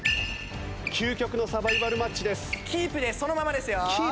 究極のサバイバルマッチです。